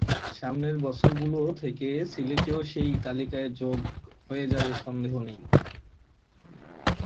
সামনের বছরগুলো থেকে সিলেটও সেই তালিকায় যোগ হয়ে যাবে সন্দেহ নেই।